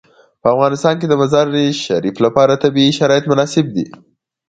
په افغانستان کې د مزارشریف لپاره طبیعي شرایط مناسب دي.